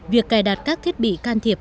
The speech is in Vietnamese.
việc cài đặt các thiết bị can thiệp